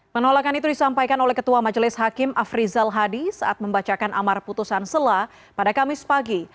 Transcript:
penolakan itu disampaikan oleh ketua majelis hakim afrizal hadi saat membacakan amar putusan sela pada kamis pagi